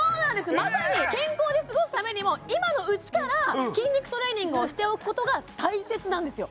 まさに健康で過ごすためにも今のうちから筋肉トレーニングをしておくことが大切なんですよ